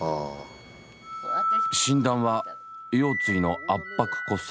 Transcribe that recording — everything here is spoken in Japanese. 診断は腰椎の圧迫骨折。